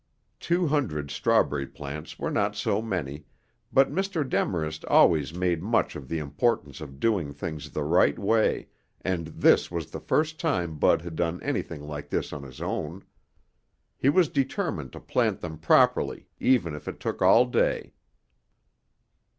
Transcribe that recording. Two hundred strawberry plants were not so many, but Mr. Demarest always made much of the importance of doing things the right way, and this was the first time Bud had done anything like this on his own. He was determined to plant them properly even if it took all day.